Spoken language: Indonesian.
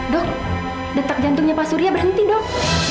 dok detak jantungnya pasuria berhenti dok